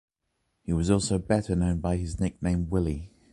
He was also better known by his nickname “Willy.”